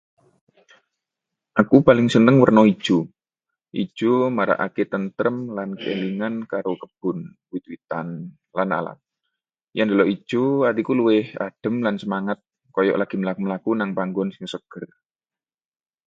Aku paling seneng werna ijo. Ijo marakake tentrem lan kelingan karo kebon, wit-witan, lan alam. Yen ndelok ijo, atiku luwih adem lan semangat, kaya lagi mlaku-mlaku nang panggon sing seger.